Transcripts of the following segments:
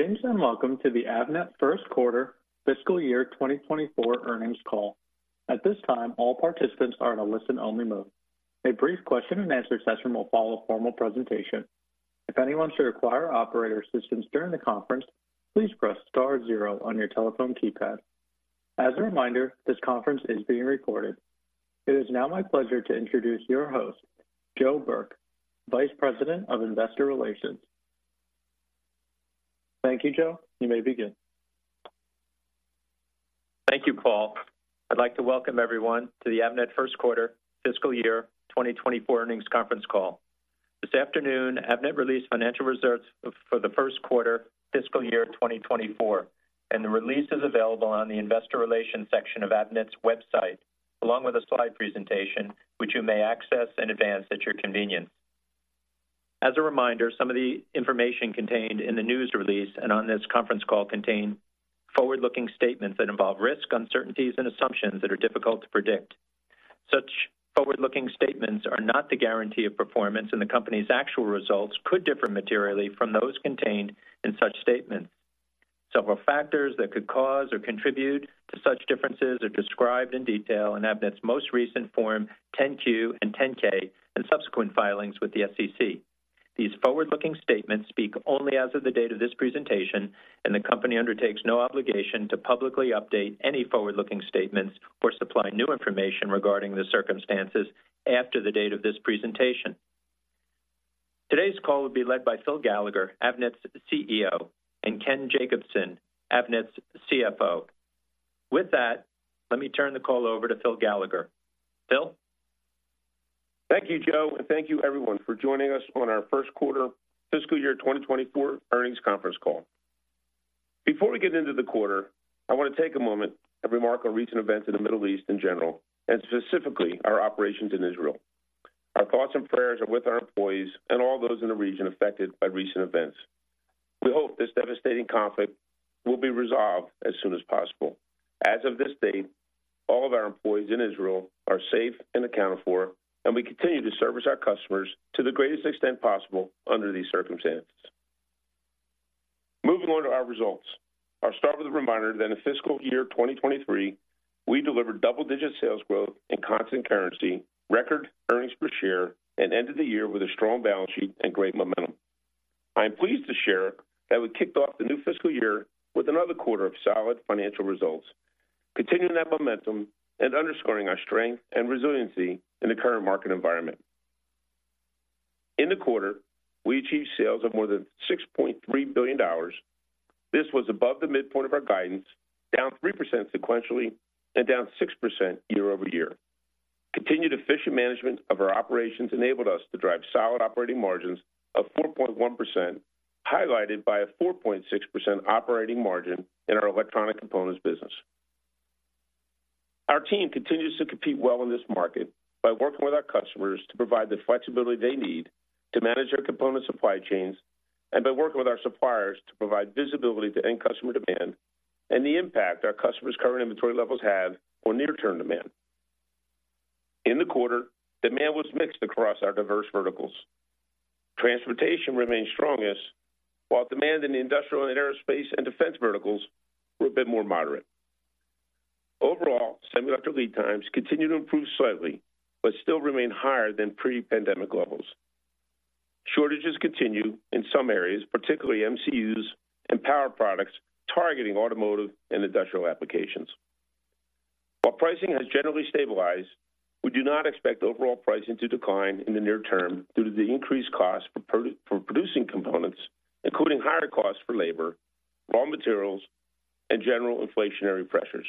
Greetings, and welcome to the Avnet First Quarter Fiscal Year 2024 earnings call. At this time, all participants are in a listen-only mode. A brief question-and-answer session will follow a formal presentation. If anyone should require operator assistance during the conference, please press star zero on your telephone keypad. As a reminder, this conference is being recorded. It is now my pleasure to introduce your host, Joe Burke, Vice President of Investor Relations. Thank you, Joe. You may begin. Thank you, Paul. I'd like to welcome everyone to the Avnet First Quarter Fiscal Year 2024 Earnings Conference Call. This afternoon, Avnet released financial results for the first quarter fiscal year 2024, and the release is available on the investor relations section of Avnet's website, along with a slide presentation, which you may access in advance at your convenience. As a reminder, some of the information contained in the news release and on this conference call contain forward-looking statements that involve risks, uncertainties, and assumptions that are difficult to predict. Such forward-looking statements are not the guarantee of performance, and the company's actual results could differ materially from those contained in such statements. Several factors that could cause or contribute to such differences are described in detail in Avnet's most recent Form 10-Q and 10-K and subsequent filings with the SEC. These forward-looking statements speak only as of the date of this presentation, and the company undertakes no obligation to publicly update any forward-looking statements or supply new information regarding the circumstances after the date of this presentation. Today's call will be led by Phil Gallagher, Avnet's Chief Executive Officer, and Ken Jacobson, Avnet's Chief Financial Officer. With that, let me turn the call over to Phil Gallagher. Phil? Thank you, Joe, and thank you everyone for joining us on our first quarter fiscal year 2024 earnings conference call. Before we get into the quarter, I want to take a moment and remark on recent events in the Middle East in general, and specifically our operations in Israel. Our thoughts and prayers are with our employees and all those in the region affected by recent events. We hope this devastating conflict will be resolved as soon as possible. As of this date, all of our employees in Israel are safe and accounted for, and we continue to service our customers to the greatest extent possible under these circumstances. Moving on to our results. I'll start with a reminder that in fiscal year 2023, we delivered double-digit sales growth in constant currency, record earnings per share, and ended the year with a strong balance sheet and great momentum. I am pleased to share that we kicked off the new fiscal year with another quarter of solid financial results, continuing that momentum and underscoring our strength and resiliency in the current market environment. In the quarter, we achieved sales of more than $6.3 billion. This was above the midpoint of our guidance, down 3% sequentially, and down 6% year-over-year. Continued efficient management of our operations enabled us to drive solid operating margins of 4.1%, highlighted by a 4.6% operating margin in our electronic components business. Our team continues to compete well in this market by working with our customers to provide the flexibility they need to manage their component supply chains, and by working with our suppliers to provide visibility to end customer demand and the impact our customers' current inventory levels have on near-term demand. In the quarter, demand was mixed across our diverse verticals. Transportation remained strongest, while demand in the industrial and aerospace and defense verticals were a bit more moderate. Overall, semiconductor lead times continue to improve slightly, but still remain higher than pre-pandemic levels. Shortages continue in some areas, particularly MCUs and power products, targeting automotive and industrial applications. While pricing has generally stabilized, we do not expect overall pricing to decline in the near term due to the increased cost for producing components, including higher costs for labor, raw materials, and general inflationary pressures.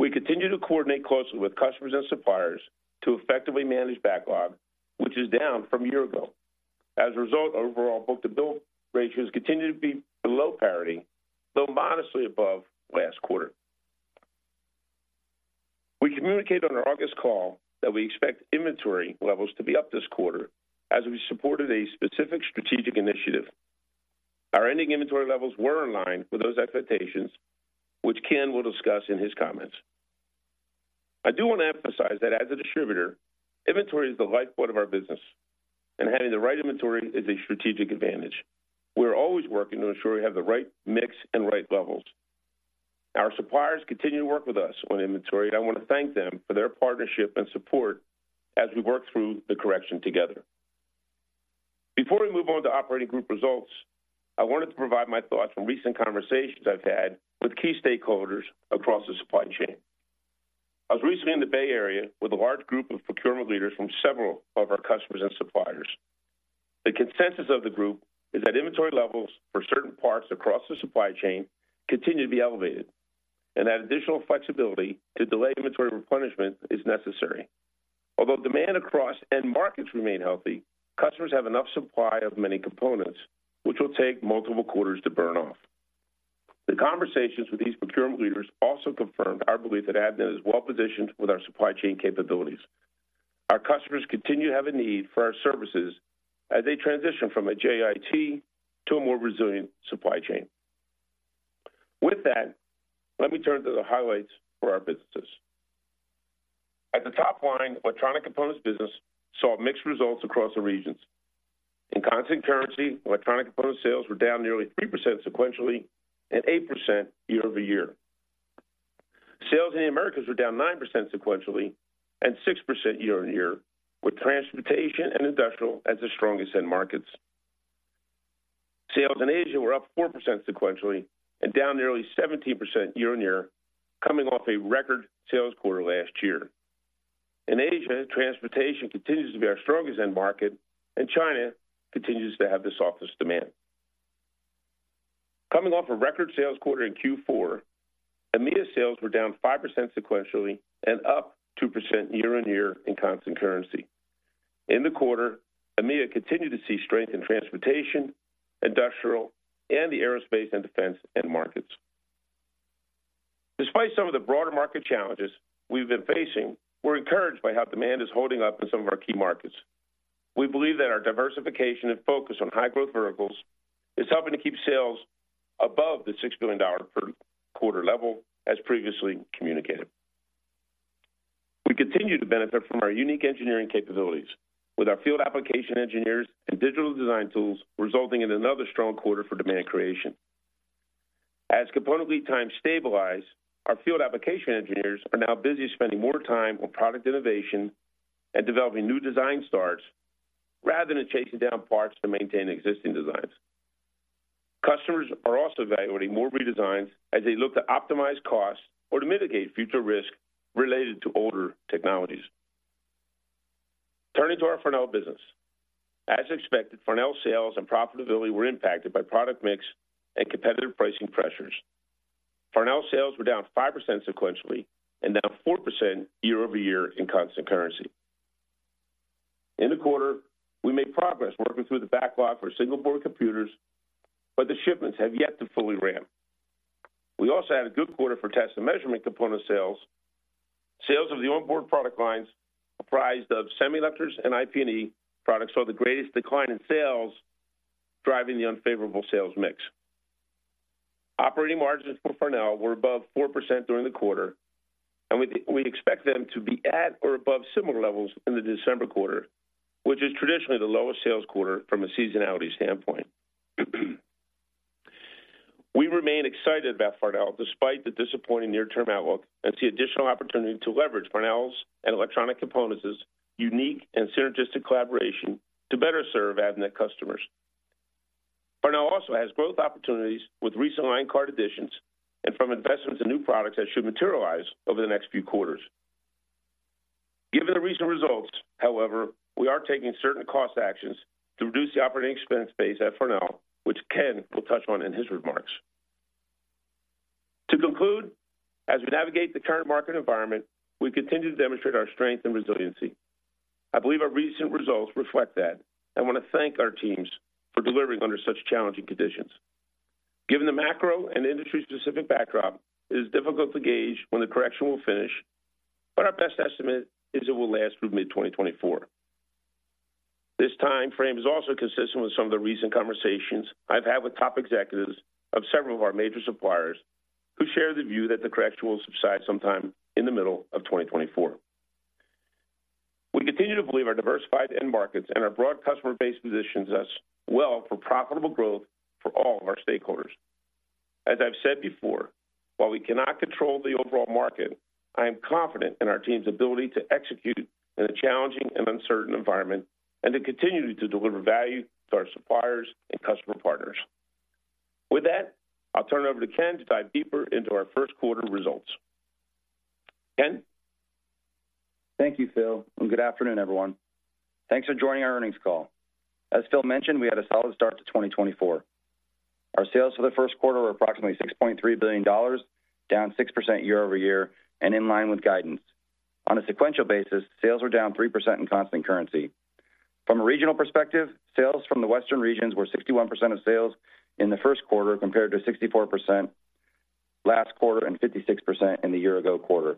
We continue to coordinate closely with customers and suppliers to effectively manage backlog, which is down from a year ago. As a result, overall book-to-bill ratios continue to be below parity, though modestly above last quarter. We communicated on our August call that we expect inventory levels to be up this quarter as we supported a specific strategic initiative. Our ending inventory levels were in line with those expectations, which Ken will discuss in his comments. I do want to emphasize that as a distributor, inventory is the lifeblood of our business, and having the right inventory is a strategic advantage. We're always working to ensure we have the right mix and right levels. Our suppliers continue to work with us on inventory, and I want to thank them for their partnership and support as we work through the correction together. Before we move on to operating group results, I wanted to provide my thoughts from recent conversations I've had with key stakeholders across the supply chain. I was recently in the Bay Area with a large group of procurement leaders from several of our customers and suppliers. The consensus of the group is that inventory levels for certain parts across the supply chain continue to be elevated, and that additional flexibility to delay inventory replenishment is necessary. Although demand across end markets remain healthy, customers have enough supply of many components, which will take multiple quarters to burn off. The conversations with these procurement leaders also confirmed our belief that Avnet is well-positioned with our supply chain capabilities. Our customers continue to have a need for our services as they transition from a JIT to a more resilient supply chain. With that, let me turn to the highlights for our businesses. At the top line, electronic components business saw mixed results across the regions. In constant currency, electronic component sales were down nearly 3% sequentially and 8% year-over-year. Sales in the Americas were down 9% sequentially and 6% year-over-year, with transportation and industrial as the strongest end markets. Sales in Asia were up 4% sequentially and down nearly 17% year-over-year, coming off a record sales quarter last year. In Asia, transportation continues to be our strongest end market, and China continues to have the softest demand. Coming off a record sales quarter in Q4, EMEA sales were down 5% sequentially and up 2% year-over-year in constant currency. In the quarter, EMEA continued to see strength in transportation, industrial, and the aerospace and defense end markets. Despite some of the broader market challenges we've been facing, we're encouraged by how demand is holding up in some of our key markets. We believe that our diversification and focus on high-growth verticals is helping to keep sales above the $6 billion per quarter level, as previously communicated. We continue to benefit from our unique engineering capabilities, with our field application engineers and digital design tools resulting in another strong quarter for demand creation. As component lead times stabilize, our field application engineers are now busy spending more time on product innovation and developing new design starts, rather than chasing down parts to maintain existing designs. Customers are also evaluating more redesigns as they look to optimize costs or to mitigate future risk related to older technologies. Turning to our Farnell business. As expected, Farnell sales and profitability were impacted by product mix and competitive pricing pressures. Farnell sales were down 5% sequentially and down 4% year-over-year in constant currency. In the quarter, we made progress working through the backlog for single-board computers, but the shipments have yet to fully ramp. We also had a good quarter for test and measurement component sales. Sales of the on-board product lines, comprised of semiconductors and IP&E products, saw the greatest decline in sales, driving the unfavorable sales mix. Operating margins for Farnell were above 4% during the quarter, and we expect them to be at or above similar levels in the December quarter, which is traditionally the lowest sales quarter from a seasonality standpoint. We remain excited about Farnell, despite the disappointing near-term outlook, and see additional opportunity to leverage Farnell's and electronic components' unique and synergistic collaboration to better serve Avnet customers. Farnell also has growth opportunities with recent line card additions and from investments in new products that should materialize over the next few quarters. Given the recent results, however, we are taking certain cost actions to reduce the operating expense base at Farnell, which Ken will touch on in his remarks. To conclude, as we navigate the current market environment, we continue to demonstrate our strength and resiliency. I believe our recent results reflect that. I want to thank our teams for delivering under such challenging conditions. Given the macro and industry-specific backdrop, it is difficult to gauge when the correction will finish, but our best estimate is it will last through mid-2024. This time frame is also consistent with some of the recent conversations I've had with top executives of several of our major suppliers, who share the view that the correction will subside sometime in the middle of 2024. We continue to believe our diversified end markets and our broad customer base positions us well for profitable growth for all of our stakeholders. As I've said before, while we cannot control the overall market, I am confident in our team's ability to execute in a challenging and uncertain environment, and to continue to deliver value to our suppliers and customer partners. With that, I'll turn it over to Ken to dive deeper into our first quarter results. Ken? Thank you, Phil, and good afternoon, everyone. Thanks for joining our earnings call. As Phil mentioned, we had a solid start to 2024. Our sales for the first quarter were approximately $6.3 billion, down 6% year-over-year and in line with guidance. On a sequential basis, sales were down 3% in constant currency. From a regional perspective, sales from the Western regions were 61% of sales in the first quarter, compared to 64% last quarter and 56% in the year-ago quarter.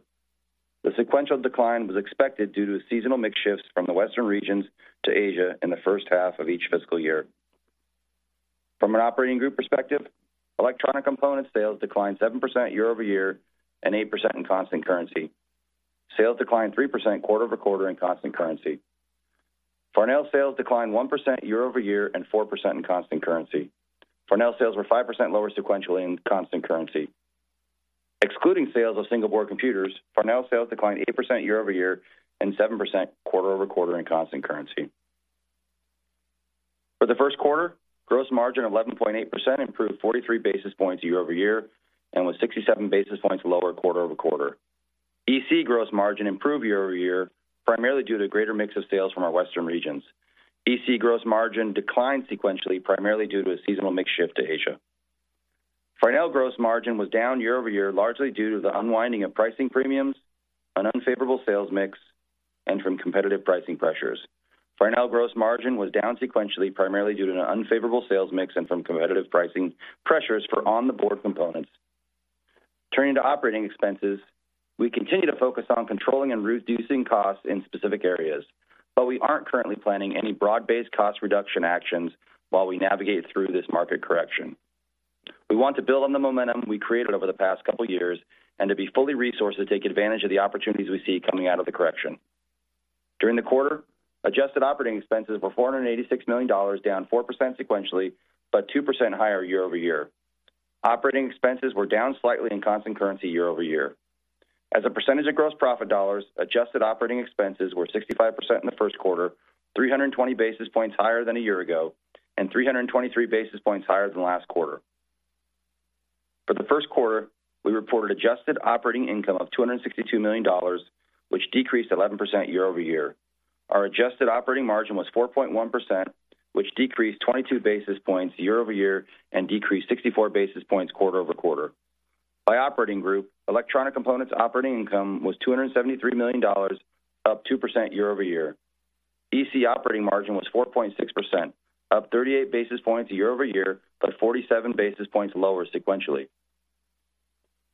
The sequential decline was expected due to seasonal mix shifts from the Western regions to Asia in the first half of each fiscal year. From an operating group perspective, electronic component sales declined 7% year-over-year and 8% in constant currency. Sales declined 3% quarter-over-quarter in constant currency. Farnell sales declined 1% year-over-year and 4% in constant currency. Farnell sales were 5% lower sequentially in constant currency. Excluding sales of single-board computers, Farnell sales declined 8% year-over-year and 7% quarter-over-quarter in constant currency. For the first quarter, gross margin of 11.8% improved 43 basis points year-over-year and was 67 basis points lower quarter-over-quarter. EC gross margin improved year-over-year, primarily due to greater mix of sales from our Western regions. EC gross margin declined sequentially, primarily due to a seasonal mix shift to Asia. Farnell gross margin was down year-over-year, largely due to the unwinding of pricing premiums, an unfavorable sales mix, and from competitive pricing pressures. Farnell gross margin was down sequentially, primarily due to an unfavorable sales mix and from competitive pricing pressures for on-board components. Turning to operating expenses, we continue to focus on controlling and reducing costs in specific areas, but we aren't currently planning any broad-based cost reduction actions while we navigate through this market correction. We want to build on the momentum we created over the past couple of years, and to be fully resourced to take advantage of the opportunities we see coming out of the correction. During the quarter, adjusted operating expenses were $486 million, down 4% sequentially, but 2% higher year-over-year. Operating expenses were down slightly in constant currency year-over-year. As a percentage of gross profit dollars, adjusted operating expenses were 65% in the first quarter, 320 basis points higher than a year ago, and 323 basis points higher than last quarter. For the first quarter, we reported adjusted operating income of $262 million, which decreased 11% year-over-year. Our adjusted operating margin was 4.1%, which decreased 22 basis points year-over-year and decreased 64 basis points quarter-over-quarter. By operating group, electronic components operating income was $273 million, up 2% year-over-year. EC operating margin was 4.6%, up 38 basis points year-over-year, but 47 basis points lower sequentially.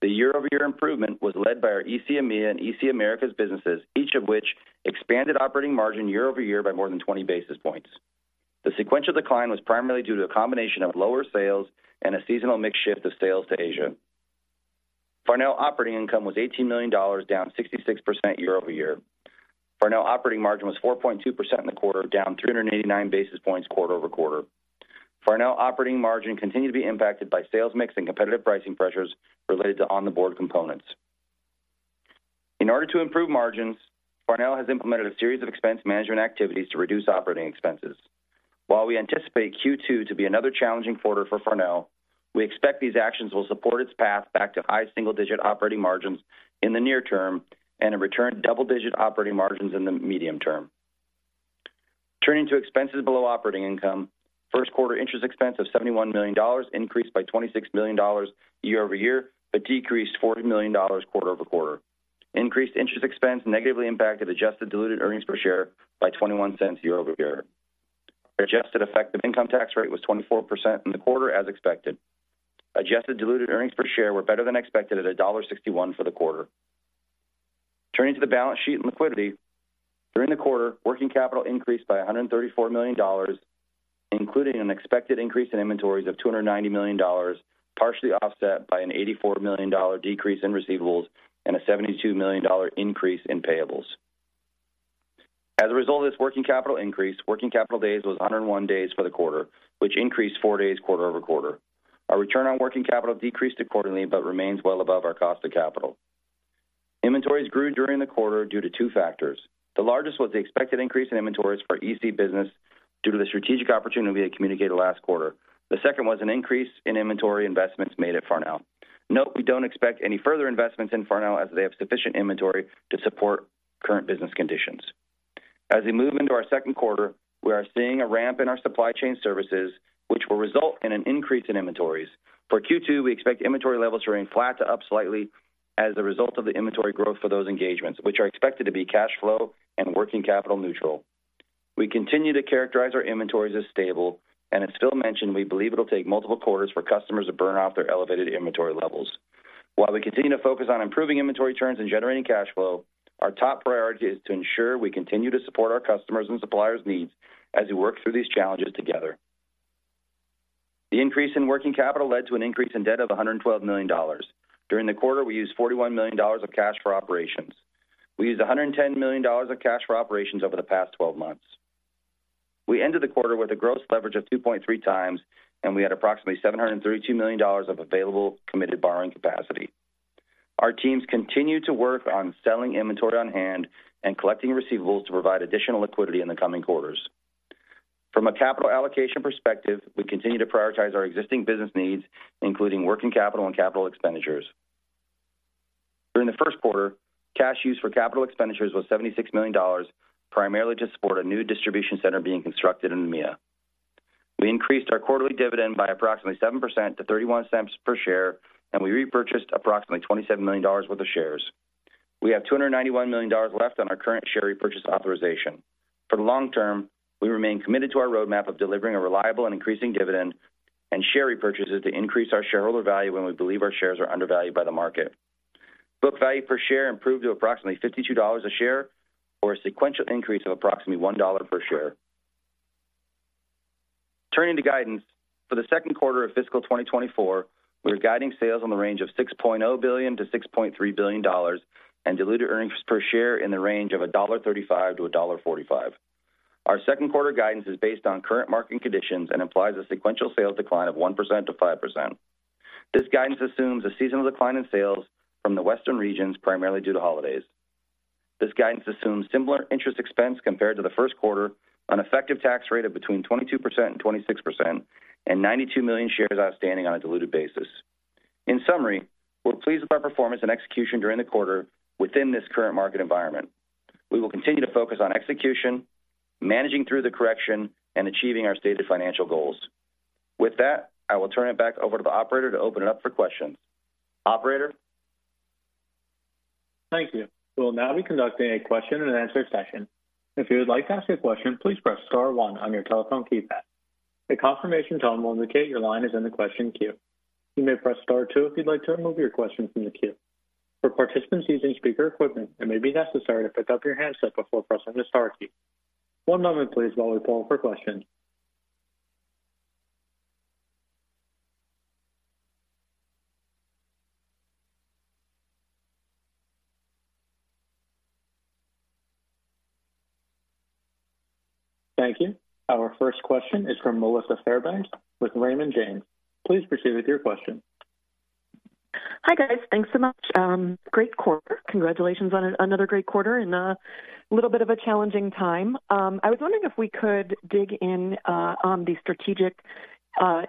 The year-over-year improvement was led by our EC EMEA and EC Americas businesses, each of which expanded operating margin year-over-year by more than 20 basis points. The sequential decline was primarily due to a combination of lower sales and a seasonal mix shift of sales to Asia. Farnell operating income was $18 million, down 66% year-over-year. Farnell operating margin was 4.2% in the quarter, down 389 basis points quarter-over-quarter. Farnell operating margin continued to be impacted by sales mix and competitive pricing pressures related to on-board components. In order to improve margins, Farnell has implemented a series of expense management activities to reduce operating expenses. While we anticipate Q2 to be another challenging quarter for Farnell, we expect these actions will support its path back to high single-digit operating margins in the near term and a return to double-digit operating margins in the medium term. Turning to expenses below operating income, first quarter interest expense of $71 million increased by $26 million year-over-year, but decreased $40 million quarter-over-quarter. Increased interest expense negatively impacted adjusted diluted earnings per share by $0.21 year-over-year. Adjusted effective income tax rate was 24% in the quarter as expected. Adjusted diluted earnings per share were better than expected at $1.61 for the quarter. Turning to the balance sheet and liquidity. During the quarter, working capital increased by $134 million, including an expected increase in inventories of $290 million, partially offset by an $84 million decrease in receivables and a $72 million increase in payables. As a result of this working capital increase, working capital days was 101 days for the quarter, which increased four days quarter-over-quarter. Our return on working capital decreased quarterly, but remains well above our cost of capital. Inventories grew during the quarter due to two factors. The largest was the expected increase in inventories for EC business due to the strategic opportunity we had communicated last quarter. The second was an increase in inventory investments made at Farnell. Note, we don't expect any further investments in Farnell as they have sufficient inventory to support current business conditions. As we move into our second quarter, we are seeing a ramp in our supply chain services, which will result in an increase in inventories. For Q2, we expect inventory levels to remain flat to up slightly as a result of the inventory growth for those engagements, which are expected to be cash flow and working capital neutral. We continue to characterize our inventories as stable, and as Phil mentioned, we believe it'll take multiple quarters for customers to burn off their elevated inventory levels. While we continue to focus on improving inventory turns and generating cash flow, our top priority is to ensure we continue to support our customers' and suppliers' needs as we work through these challenges together. The increase in working capital led to an increase in debt of $112 million. During the quarter, we used $41 million of cash for operations. We used $110 million of cash for operations over the past 12 months. We ended the quarter with a gross leverage of 2.3 times, and we had approximately $732 million of available committed borrowing capacity. Our teams continue to work on selling inventory on hand and collecting receivables to provide additional liquidity in the coming quarters. From a capital allocation perspective, we continue to prioritize our existing business needs, including working capital and capital expenditures. During the first quarter, cash use for capital expenditures was $76 million, primarily to support a new distribution center being constructed in EMEA. We increased our quarterly dividend by approximately 7% to $0.31 per share, and we repurchased approximately $27 million worth of shares. We have $291 million left on our current share repurchase authorization. For the long term, we remain committed to our roadmap of delivering a reliable and increasing dividend and share repurchases to increase our shareholder value when we believe our shares are undervalued by the market. Book value per share improved to approximately $52 a share, or a sequential increase of approximately $1 per share. Turning to guidance, for the second quarter of fiscal 2024, we're guiding sales in the range of $6.0 billion-$6.3 billion and diluted earnings per share in the range of $1.35-$1.45. Our second quarter guidance is based on current market conditions and implies a sequential sales decline of 1%-5%. This guidance assumes a seasonal decline in sales from the Western regions, primarily due to holidays. This guidance assumes similar interest expense compared to the first quarter on effective tax rate of between 22% and 26%, and 92 million shares outstanding on a diluted basis. In summary, we're pleased with our performance and execution during the quarter within this current market environment. We will continue to focus on execution, managing through the correction, and achieving our stated financial goals. With that, I will turn it back over to the operator to open it up for questions. Operator? Thank you. We'll now be conducting a question-and-answer session. If you would like to ask a question, please press star one on your telephone keypad. A confirmation tone will indicate your line is in the question queue. You may press star two if you'd like to remove your question from the queue. For participants using speaker equipment, it may be necessary to pick up your handset before pressing the star key. One moment, please, while we poll for questions. Thank you. Our first question is from Melissa Fairbanks with Raymond James. Please proceed with your question. Hi, guys. Thanks so much. Great quarter. Congratulations on another great quarter in a little bit of a challenging time. I was wondering if we could dig in on the strategic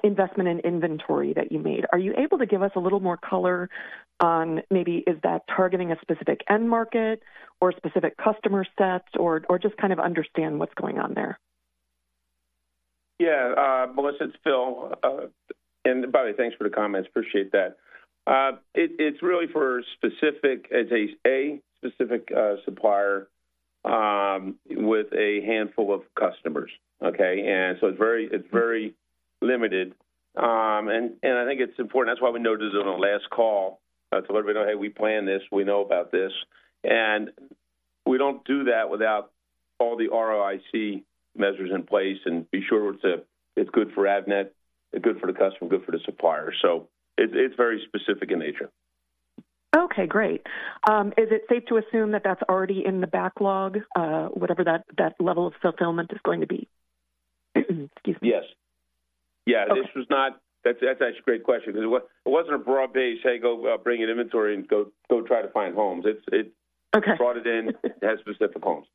investment in inventory that you made. Are you able to give us a little more color on maybe is that targeting a specific end market or specific customer sets, or just kind of understand what's going on there? Yeah, Melissa, it's Phil. And by the way, thanks for the comments. Appreciate that. It's really for specific—it's a specific supplier with a handful of customers, okay? And so it's very, it's very limited. And I think it's important. That's why we noted it on the last call to let everybody know, "Hey, we planned this. We know about this." And we don't do that without all the ROIC measures in place and be sure it's good for Avnet, good for the customer, good for the supplier. So it's very specific in nature. Okay, great. Is it safe to assume that that's already in the backlog, whatever that level of fulfillment is going to be? Excuse me. Yes. Yeah. Okay. That's, that's actually a great question, because it wasn't a broad-based, "Hey, go, bring in inventory and go, go try to find homes." It's, it- Okay. brought it in, it has specific homes.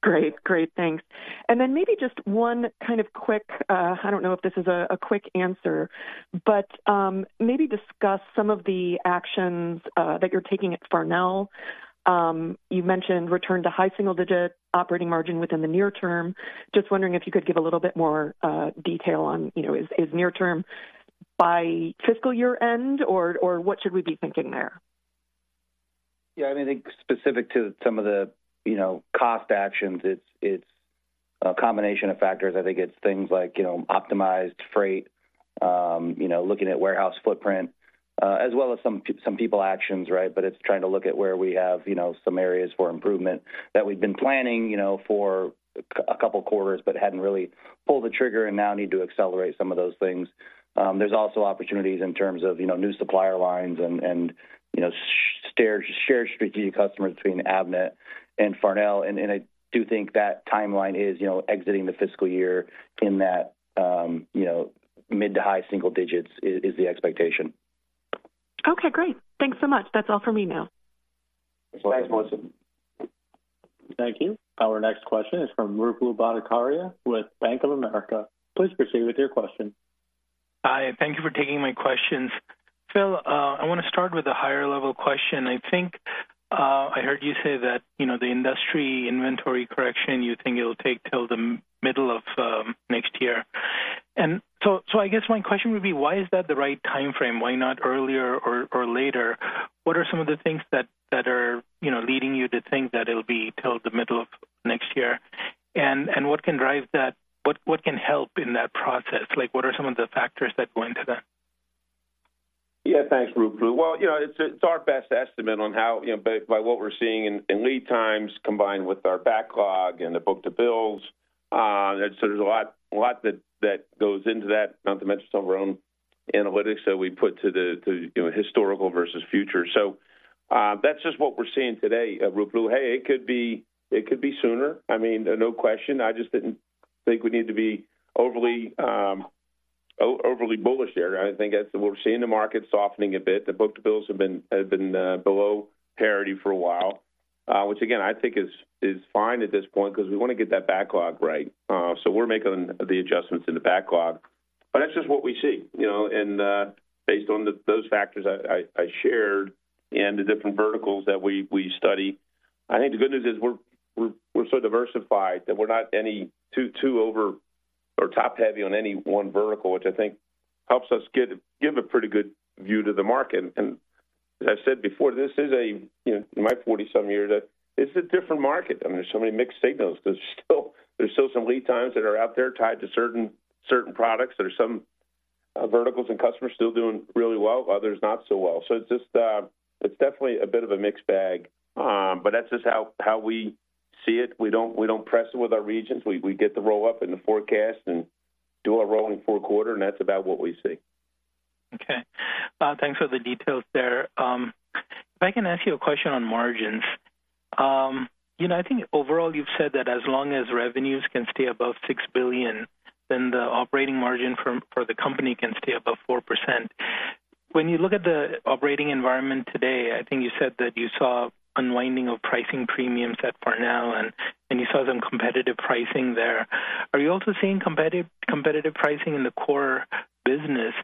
Great. Great. Thanks. And then maybe just one kind of quick, I don't know if this is a quick answer, but maybe discuss some of the actions that you're taking at Farnell. You mentioned return to high single-digit operating margin within the near term. Just wondering if you could give a little bit more detail on, you know, is near term by fiscal year end, or what should we be thinking there? Yeah, I mean, I think specific to some of the, you know, cost actions, it's a combination of factors. I think it's things like, you know, optimized freight, you know, looking at warehouse footprint, as well as some people actions, right? But it's trying to look at where we have, you know, some areas for improvement that we've been planning, you know, for a couple quarters, but hadn't really pulled the trigger and now need to accelerate some of those things. There's also opportunities in terms of, you know, new supplier lines and, and, you know, shared, shared strategic customers between Avnet and Farnell. And, and I do think that timeline is, you know, exiting the fiscal year in that, you know, mid to high single digits is the expectation. Okay, great. Thanks so much. That's all for me now. Thanks, Melissa. Thank you. Our next question is from Ruplu Bhattacharya with Bank of America. Please proceed with your question. Hi, thank you for taking my questions. Phil, I want to start with a higher level question. I think I heard you say that, you know, the industry inventory correction, you think it'll take till the middle of next year. So I guess my question would be, why is that the right time frame? Why not earlier or later? What are some of the things that are, you know, leading you to think that it'll be till the middle of next year? And what can drive that? What can help in that process? Like, what are some of the factors that go into that? Yeah, thanks, Ruplu. Well, you know, it's our best estimate on how, you know, by what we're seeing in lead times, combined with our backlog and the book to bills. So there's a lot that goes into that, not to mention some of our own analytics that we put to the, you know, historical versus future. So that's just what we're seeing today, Ruplu. Hey, it could be sooner. I mean, no question. I just didn't think we need to be overly bullish there. I think as we're seeing the market softening a bit, the book to bills have been below parity for a while. Which again, I think is fine at this point, because we want to get that backlog right. So we're making the adjustments in the backlog, but that's just what we see, you know, and based on those factors I shared and the different verticals that we study. I think the good news is we're so diversified that we're not any too over or top heavy on any one vertical, which I think helps us give a pretty good view to the market. And as I said before, this is a, you know, in my forty-something years, that it's a different market. I mean, there's so many mixed signals. There's still some lead times that are out there tied to certain products. There are some verticals and customers still doing really well, others not so well. So it's just, it's definitely a bit of a mixed bag, but that's just how we see it. We don't press it with our regions. We get the roll-up and the forecast and do a rolling fourth quarter, and that's about what we see. Okay. Thanks for the details there. If I can ask you a question on margins. You know, I think overall, you've said that as long as revenues can stay above $6 billion, then the operating margin for the company can stay above 4%. When you look at the operating environment today, I think you said that you saw unwinding of pricing premiums at Farnell, and you saw some competitive pricing there. Are you also seeing competitive pricing in the core business?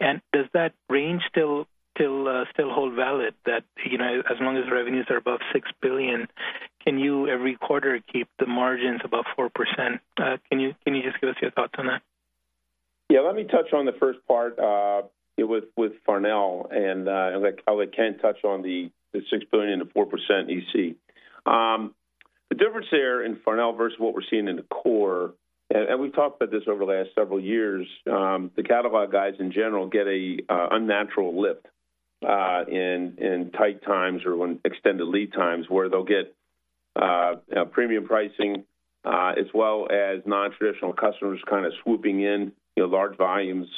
And does that range still hold valid, that you know, as long as revenues are above $6 billion, can you every quarter keep the margins above 4%? Can you just give us your thoughts on that? Yeah, let me touch on the first part, with Farnell, and I'll let Ken touch on the $6 billion to 4% EC. The difference there in Farnell versus what we're seeing in the core, and we've talked about this over the last several years, the catalog guys in general get a, you know, unnatural lift in tight times or when extended lead times, where they'll get, you know, premium pricing, as well as non-traditional customers kind of swooping in, you know, large volumes,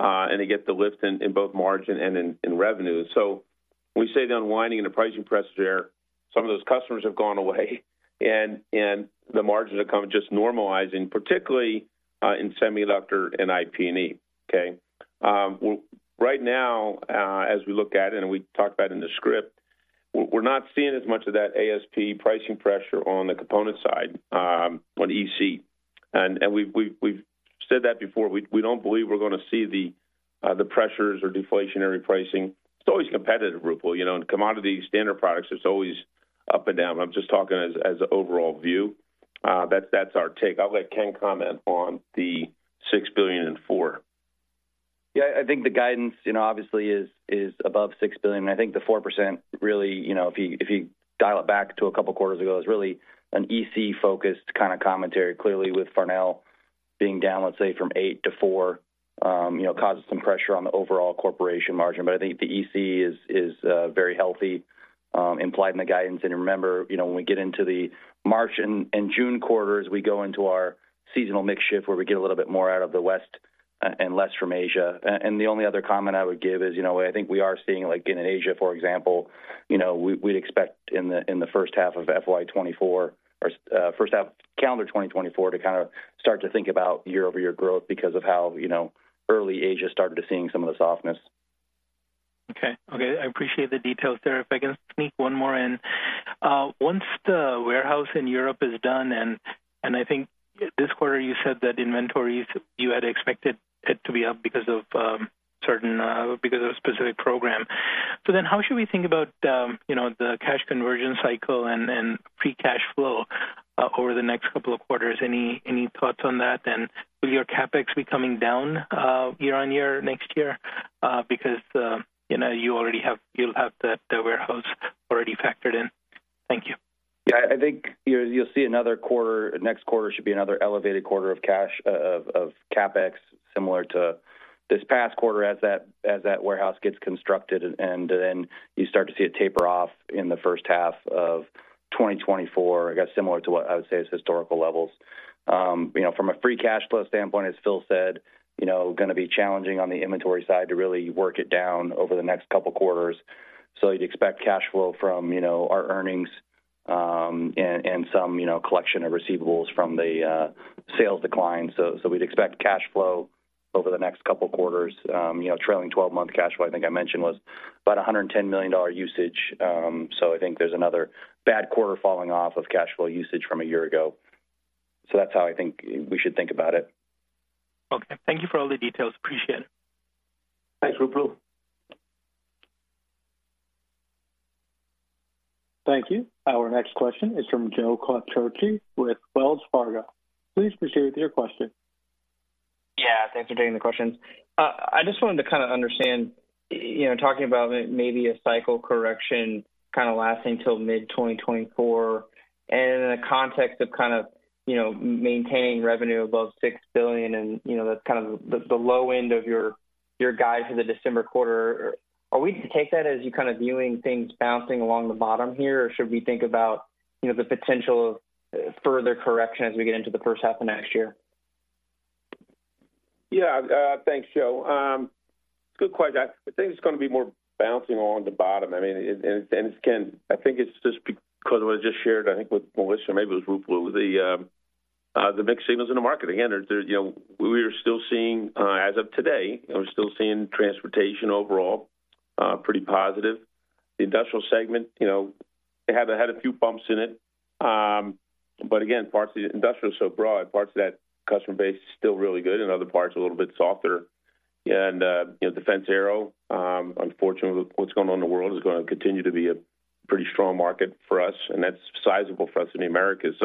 and they get the lift in both margin and in revenue. When we say the unwinding and the pricing pressure there, some of those customers have gone away, and the margins are kind of just normalizing, particularly in semiconductor and IP&E, okay? Well, right now, as we look at it, and we talked about it in the script, we're not seeing as much of that ASP pricing pressure on the component side, on EC. And we've said that before. We don't believe we're gonna see the pressures or deflationary pricing. It's always competitive, Ruplu, you know, in commodity standard products, it's always up and down. I'm just talking as an overall view. That's our take. I'll let Ken comment on the $6 billion and $4 billion. Yeah, I think the guidance, you know, obviously is, is above $6 billion. I think the 4% really, you know, if you, if you dial it back to a couple quarters ago, is really an EC-focused kind of commentary. Clearly, with Farnell being down, let's say, from 8%-4%, you know, causes some pressure on the overall corporation margin. But I think the EC is, is, very healthy, implied in the guidance. And remember, you know, when we get into the March and June quarters, we go into our seasonal mix shift, where we get a little bit more out of the West and less from Asia. The only other comment I would give is, you know, I think we are seeing, like in Asia, for example, you know, we, we'd expect in the, in the first half of FY 2024 or, first half calendar 2024 to kind of start to think about year-over-year growth because of how, you know, early Asia started to seeing some of the softness. Okay. Okay, I appreciate the details there. If I can sneak one more in. Once the warehouse in Europe is done, and I think this quarter you said that inventories, you had expected it to be up because of certain because of a specific program. So then how should we think about, you know, the cash conversion cycle and free cash flow over the next couple of quarters? Any thoughts on that? And will your CapEx be coming down year-on-year next year? Because, you know, you already have, you'll have the warehouse already factored in. Thank you. Yeah, I think you'll see another quarter, next quarter should be another elevated quarter of cash, of CapEx, similar to this past quarter, as that warehouse gets constructed, and then you start to see it taper off in the first half of 2024, I guess, similar to what I would say is historical levels. You know, from a free cash flow standpoint, as Phil said, you know, gonna be challenging on the inventory side to really work it down over the next couple quarters. So you'd expect cash flow from, you know, our earnings, and some, you know, collection of receivables from the sales decline. So we'd expect cash flow over the next couple quarters. You know, trailing twelve-month cash flow, I think I mentioned, was about $110 million usage. So I think there's another bad quarter falling off of cash flow usage from a year ago. So that's how I think we should think about it. Okay. Thank you for all the details. Appreciate it. Thanks, Ruplu. Thank you. Our next question is from Joe Quatrochi with Wells Fargo. Please proceed with your question. Yeah, thanks for taking the questions. I just wanted to kind of understand, you know, talking about maybe a cycle correction kind of lasting till mid-2024, and in the context of kind of, you know, maintaining revenue above $6 billion and, you know, that's kind of the, the low end of your, your guide for the December quarter. Are we to take that as you're kind of viewing things bouncing along the bottom here? Or should we think about, you know, the potential of further correction as we get into the first half of next year? Yeah, thanks, Joe. Good question. I think it's gonna be more bouncing along the bottom. I mean, again, I think it's just because what I just shared, I think, with Melissa, or maybe it was Ruplu, the mixed signals in the market. Again, there's, you know, we are still seeing, as of today, we're still seeing transportation overall, pretty positive. The industrial segment, you know, they have had a few bumps in it. But again, parts of the industrial is so broad, parts of that customer base is still really good, and other parts are a little bit softer. And, you know, defense aero, unfortunately, what's going on in the world is gonna continue to be a pretty strong market for us, and that's sizable for us in the Americas.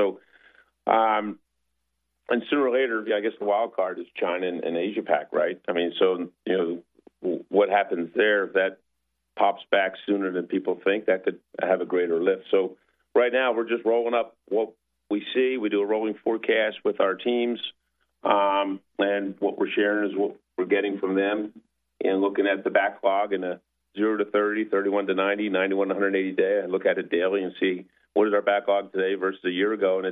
Sooner or later, I guess the wild card is China and Asia Pac, right? I mean, you know, what happens there, if that pops back sooner than people think, that could have a greater lift. Right now we're just rolling up what we see. We do a rolling forecast with our teams, and what we're sharing is what we're getting from them and looking at the backlog in a 0-30, 31-90, 91-180 day. I look at it daily and see what is our backlog today versus a year ago, and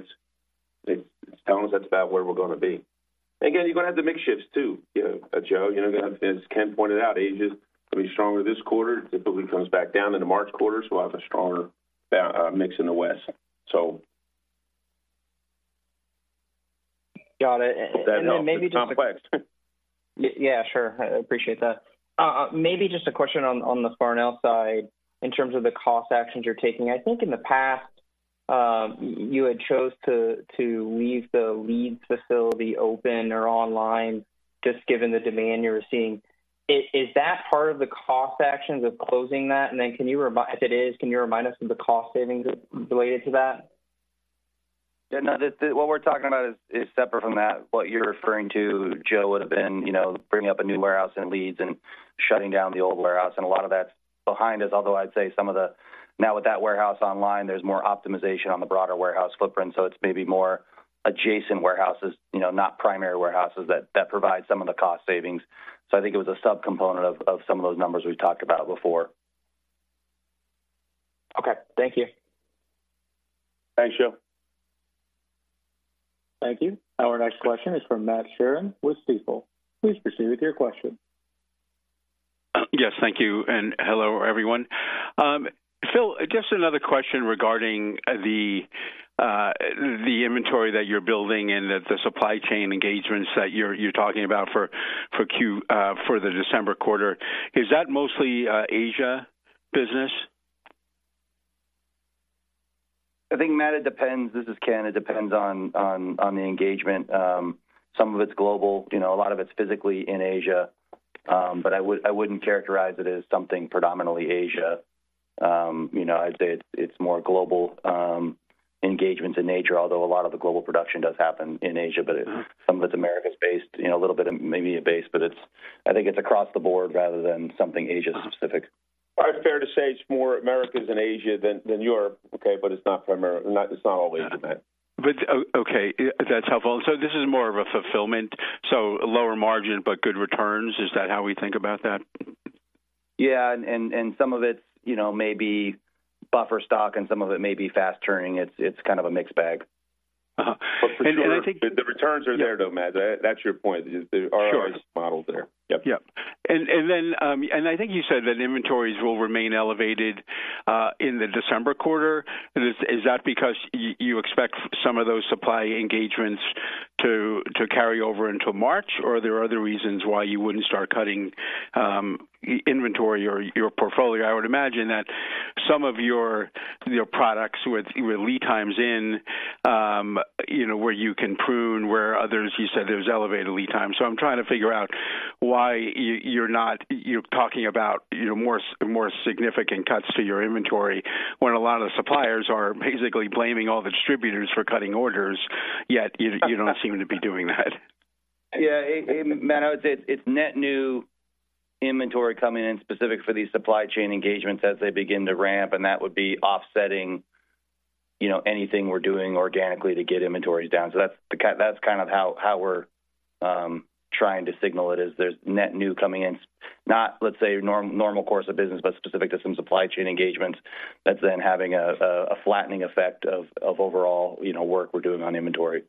it's telling us that's about where we're gonna be. Again, you're gonna have the mix shifts too, Joe. You know, as Ken pointed out, Asia is gonna be stronger this quarter. If it comes back down in the March quarter, so we'll have a stronger mix in the West, so. Got it. Hope that helps. It's complex. Yeah, sure. I appreciate that. Maybe just a question on the Farnell side, in terms of the cost actions you're taking. I think in the past, you had chose to leave the Leeds facility open or online, just given the demand you were seeing. Is that part of the cost actions of closing that? And then, if it is, can you remind us of the cost savings related to that? Yeah, no, the what we're talking about is separate from that. What you're referring to, Joe, would have been, you know, bringing up a new warehouse in Leeds and shutting down the old warehouse, and a lot of that's behind us. Although I'd say some of the-- now with that warehouse online, there's more optimization on the broader warehouse footprint, so it's maybe more adjacent warehouses, you know, not primary warehouses, that provide some of the cost savings. So I think it was a subcomponent of some of those numbers we talked about before. Okay, thank you. Thanks, Joe. Thank you. Our next question is from Matt Sheerin with Stifel. Please proceed with your question. Yes, thank you, and hello, everyone. Phil, just another question regarding the inventory that you're building and the supply chain engagements that you're talking about for the December quarter. Is that mostly Asia business? I think, Matt, it depends. This is Ken. It depends on the engagement. Some of it's global. You know, a lot of it's physically in Asia, but I wouldn't characterize it as something predominantly Asia. You know, I'd say it's more global engagements in nature, although a lot of the global production does happen in Asia. But some of it's Americas-based, you know, a little bit of maybe based, but it's, I think it's across the board rather than something Asia-specific. Fair to say it's more Americas and Asia than Europe, okay, but it's not primary. Not, it's not all Asia, Matt. Okay, that's helpful. So this is more of a fulfillment, so lower margin, but good returns? Is that how we think about that? Yeah, and some of it's, you know, may be buffer stock, and some of it may be fast turning. It's kind of a mixed bag. But the returns are there, though, Matt. That's your point. There are- Sure models there. Yep. Yep. And then, I think you said that inventories will remain elevated in the December quarter. Is that because you expect some of those supply engagements to carry over into March, or are there other reasons why you wouldn't start cutting inventory or your portfolio? I would imagine that some of your products with lead times in, you know, where you can prune, where others, you said there's elevated lead time. So I'm trying to figure out why you're not—you're talking about, you know, more significant cuts to your inventory when a lot of the suppliers are basically blaming all the distributors for cutting orders, yet you don't seem to be doing that. Yeah, it, Matt, it's net new inventory coming in specific for these supply chain engagements as they begin to ramp, and that would be offsetting, you know, anything we're doing organically to get inventories down. So that's the kind - that's kind of how we're trying to signal it, is there's net new coming in. Not, let's say, normal course of business, but specific to some supply chain engagements that's then having a flattening effect of overall, you know, work we're doing on inventory-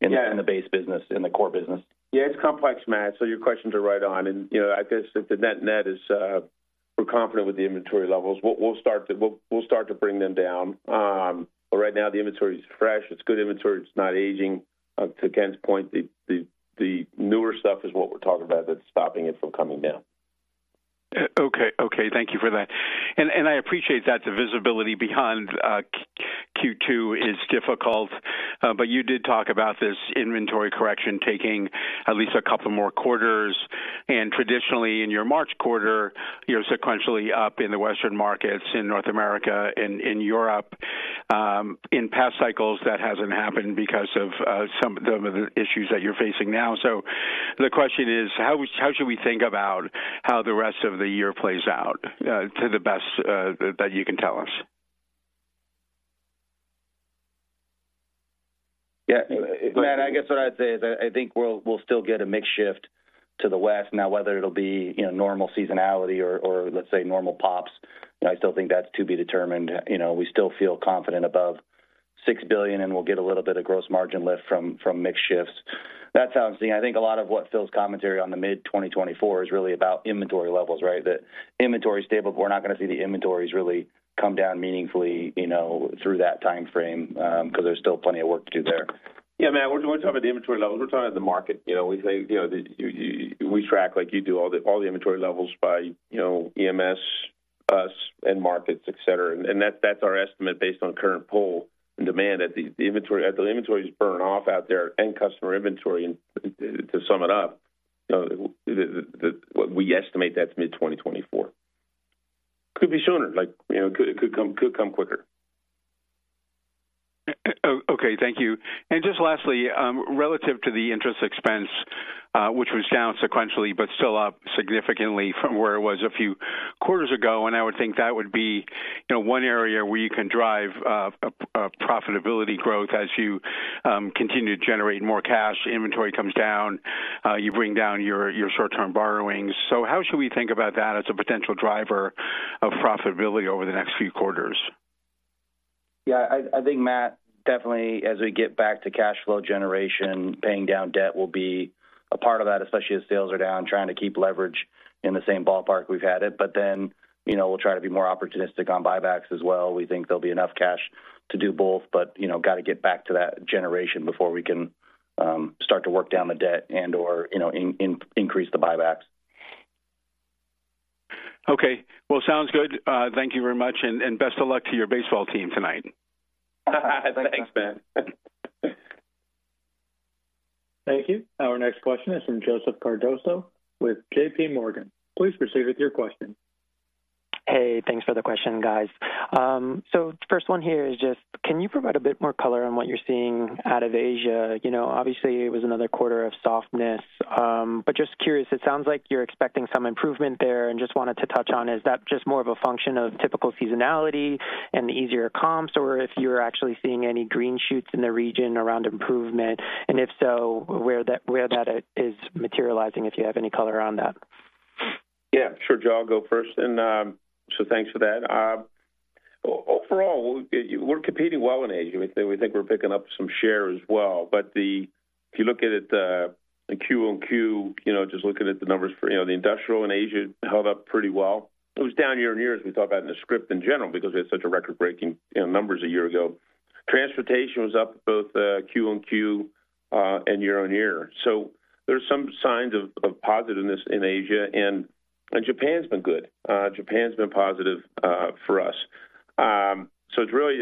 Yeah in the base business, in the core business. Yeah, it's complex, Matt, so your questions are right on. And, you know, I guess the net-net is, we're confident with the inventory levels. We'll start to bring them down. But right now the inventory is fresh, it's good inventory, it's not aging. To Ken's point, the newer stuff is what we're talking about that's stopping it from coming down. Okay, okay. Thank you for that. And I appreciate that the visibility behind Q2 is difficult, but you did talk about this inventory correction taking at least a couple more quarters. And traditionally, in your March quarter, you're sequentially up in the Western markets, in North America, in Europe. In past cycles, that hasn't happened because of some of the issues that you're facing now. So the question is: How should we think about how the rest of the year plays out to the best that you can tell us? Yeah. Matt, I guess what I'd say is that I think we'll, we'll still get a mix shift to the West. Now, whether it'll be, you know, normal seasonality or, or, let's say, normal pops, I still think that's to be determined. You know, we still feel confident above $6 billion, and we'll get a little bit of gross margin lift from, from mix shifts. That's how I'm seeing. I think a lot of what Phil's commentary on the mid-2024 is really about inventory levels, right? The inventory is stable. We're not gonna see the inventories really come down meaningfully, you know, through that timeframe, 'cause there's still plenty of work to do there. Yeah, Matt, when we're talking about the inventory levels, we're talking about the market. You know, we say, you know, we track, like you do, all the inventory levels by, you know, EMS, us, end markets, et cetera. And that's our estimate based on current pull and demand, that the inventory as the inventories burn off out there and customer inventory, and to sum it up, you know, we estimate that's mid 2024. Could be sooner, like, you know, it could come quicker. Okay, thank you. And just lastly, relative to the interest expense, which was down sequentially but still up significantly from where it was a few quarters ago, and I would think that would be, you know, one area where you can drive a profitability growth as you continue to generate more cash, inventory comes down, you bring down your short-term borrowings. So how should we think about that as a potential driver of profitability over the next few quarters? Yeah, I think, Matt, definitely as we get back to cash flow generation, paying down debt will be a part of that, especially as sales are down, trying to keep leverage in the same ballpark we've had it. But then, you know, we'll try to be more opportunistic on buybacks as well. We think there'll be enough cash to do both, but, you know, got to get back to that generation before we can start to work down the debt and/or, you know, increase the buybacks. Okay, well, sounds good. Thank you very much, and best of luck to your baseball team tonight. Thanks, Matt. Thank you. Our next question is from Joseph Cardoso with J.P. Morgan. Please proceed with your question. Hey, thanks for the question, guys. So the first one here is just, can you provide a bit more color on what you're seeing out of Asia? You know, obviously, it was another quarter of softness, but just curious, it sounds like you're expecting some improvement there and just wanted to touch on, is that just more of a function of typical seasonality and the easier comps, or if you're actually seeing any green shoots in the region around improvement, and if so, where that is materializing, if you have any color on that? Yeah, sure, Joe, I'll go first, and so thanks for that. Overall, we're competing well in Asia. We think we're picking up some share as well. But the. If you look at it in QoQ, you know, just looking at the numbers for, you know, the industrial in Asia held up pretty well. It was down year-over-year, as we talked about in the script in general, because we had such a record-breaking, you know, numbers a year ago. Transportation was up both QoQ and year-over-year. So there are some signs of positiveness in Asia, and Japan's been good. Japan's been positive for us. So it's really,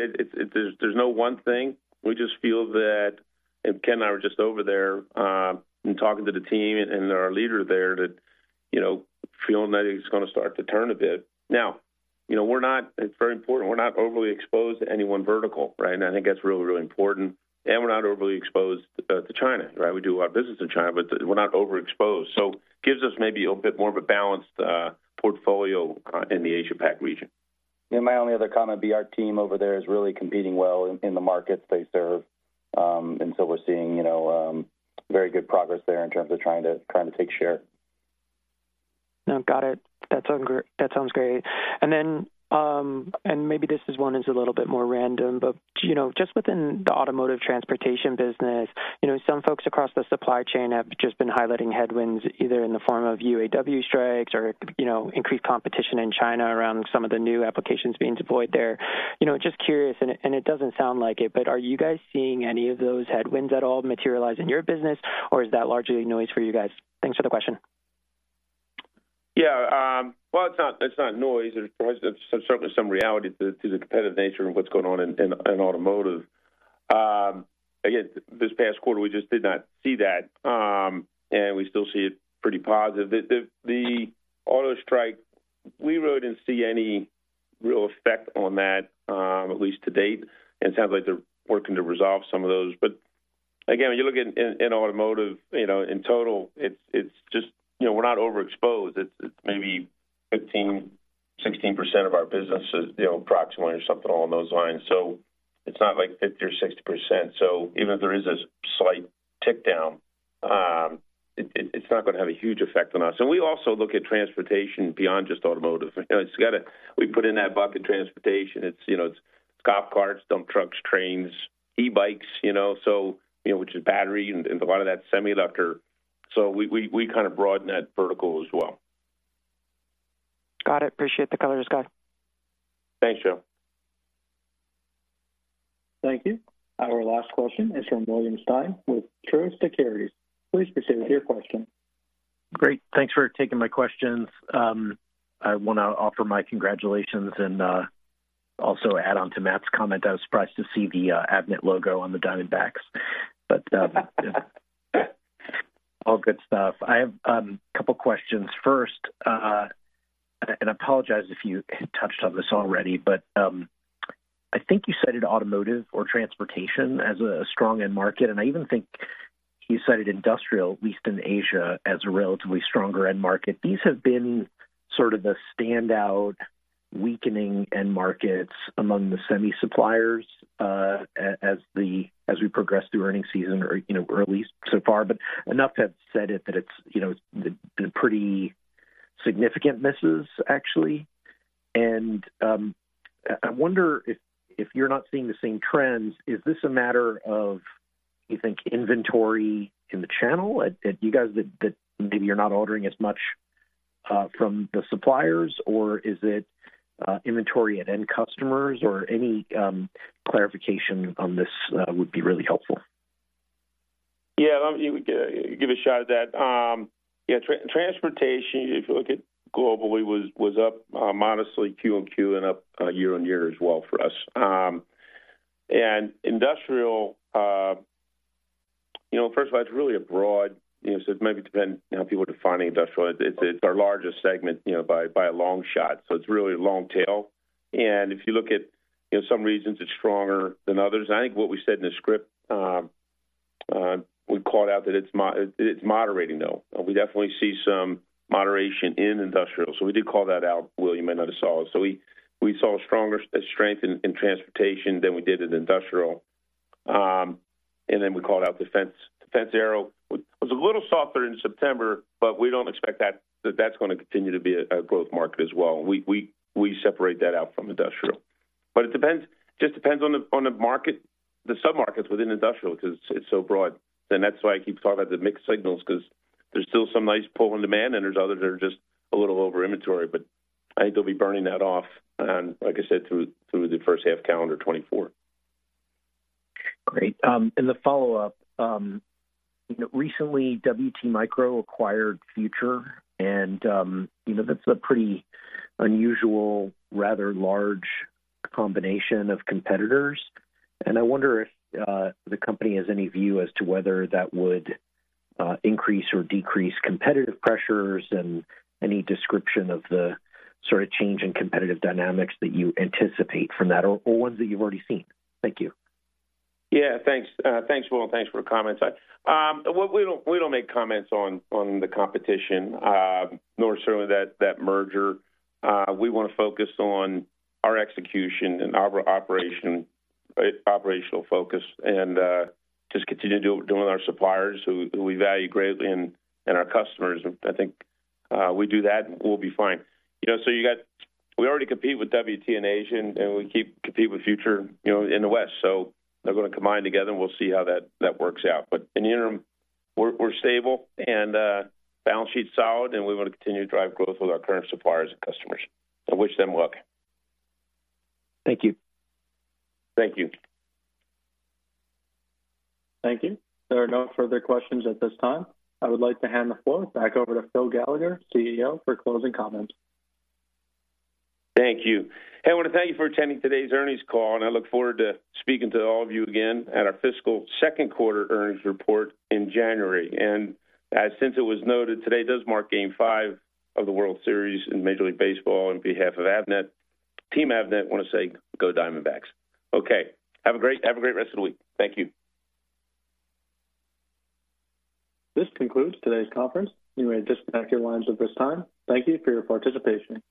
there's no one thing. We just feel that, and Ken and I were just over there and talking to the team and our leader there that, you know, feeling that it's gonna start to turn a bit. Now, you know, we're not. It's very important, we're not overly exposed to any one vertical, right? And I think that's really, really important, and we're not overly exposed to China, right? We do our business in China, but we're not overexposed. So gives us maybe a bit more of a balanced portfolio in the Asia Pac region. My only other comment would be our team over there is really competing well in the markets they serve. And so we're seeing, you know, very good progress there in terms of trying to take share. No, got it. That sounds great. That sounds great. And then, and maybe this one is a little bit more random, but, you know, just within the automotive transportation business, you know, some folks across the supply chain have just been highlighting headwinds, either in the form of UAW strikes or, you know, increased competition in China around some of the new applications being deployed there. You know, just curious, and it, and it doesn't sound like it, but are you guys seeing any of those headwinds at all materialize in your business, or is that largely noise for you guys? Thanks for the question. Yeah, well, it's not, it's not noise. There's certainly some reality to the competitive nature of what's going on in automotive. Again, this past quarter, we just did not see that, and we still see it pretty positive. The auto strike, we really didn't see any real effect on that, at least to date, and it sounds like they're working to resolve some of those. But again, when you look at automotive, you know, in total, it's, it's just, you know, we're not overexposed. It's, it's maybe 15%-16% of our business is, you know, approximately or something along those lines. So it's not like 50% or 60%. So even if there is a slight tick down, it, it's not gonna have a huge effect on us. We also look at transportation beyond just automotive. You know, we put in that bucket transportation, it's, you know, it's golf carts, dump trucks, trains, e-bikes, you know, so, you know, which is battery and a lot of that's semiconductor. So we kind of broaden that vertical as well. Got it. Appreciate the colors, guys. Thanks, Joe. Thank you. Our last question is from William Stein with Truist Securities. Please proceed with your question. Great. Thanks for taking my questions. I want to offer my congratulations and, also add on to Matt's comment. I was surprised to see the, Avnet logo on the Diamondbacks, but, all good stuff. I have, a couple questions. First, and I apologize if you touched on this already, but, I think you cited automotive or transportation as a strong end market, and I even think you cited industrial, at least in Asia, as a relatively stronger end market. These have been sort of the standout weakening end markets among the semi suppliers, as we progress through earnings season or, you know, or at least so far. But enough to have said it, that it's, you know, been pretty significant misses, actually. I wonder if you're not seeing the same trends, is this a matter of, you think, inventory in the channel, that you guys maybe you're not ordering as much from the suppliers, or is it inventory at end customers? Or any clarification on this would be really helpful. Yeah, let me give a shot at that. Yeah, transportation, if you look at globally, was up modestly QoQ and up year-on-year as well for us. And industrial, you know, first of all, it's really a broad. You know, so it maybe depend, you know, how people define industrial. It's our largest segment, you know, by a long shot, so it's really a long tail. And if you look at, you know, some regions, it's stronger than others. I think what we said in the script, we called out that it's moderating, though. We definitely see some moderation in industrial, so we did call that out, William, I know you saw. So we saw stronger strength in transportation than we did in industrial. And then we called out defense. Defense aero was a little softer in September, but we don't expect that, that's going to continue to be a growth market as well. We separate that out from industrial. But it depends, just depends on the market, the submarkets within industrial, because it's so broad. And that's why I keep talking about the mixed signals, because there's still some nice pull on demand, and there's others that are just a little over inventory. But I think they'll be burning that off, and like I said, through the first half calendar 2024. Great. And the follow-up, you know, recently, WT Microelectronics acquired Future Electronics, and, you know, that's a pretty unusual, rather large combination of competitors. And I wonder if, the company has any view as to whether that would, increase or decrease competitive pressures, and any description of the sort of change in competitive dynamics that you anticipate from that or, or ones that you've already seen. Thank you. Yeah, thanks. Thanks, Will, and thanks for the comments. Well, we don't, we don't make comments on, on the competition, nor certainly that, that merger. We want to focus on our execution and our operation, operational focus and, just continue to do with our suppliers, who, who we value greatly, and, and our customers. I think, we do that, we'll be fine. You know, so we already compete with WT in Asia, and we keep competing with Future, you know, in the West. So they're gonna combine together, and we'll see how that, that works out. But in the interim, we're, we're stable and, balance sheet's solid, and we want to continue to drive growth with our current suppliers and customers. I wish them luck. Thank you. Thank you. Thank you. There are no further questions at this time. I would like to hand the floor back over to Phil Gallagher, Chief Executive Officer, for closing comments. Thank you. Hey, I want to thank you for attending today's earnings call, and I look forward to speaking to all of you again at our fiscal second quarter earnings report in January. And as since it was noted, today does mark game five of the World Series in Major League Baseball. On behalf of Avnet, Team Avnet, want to say, "Go Diamondbacks!" Okay, have a great, have a great rest of the week. Thank you. This concludes today's conference. You may disconnect your lines at this time. Thank you for your participation.